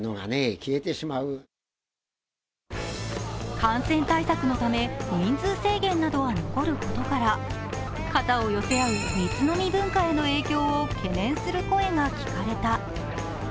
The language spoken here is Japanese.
感染対策のため人数制限なども残ることから肩を寄せ合う密飲み文化へ懸念する声が聞かれた。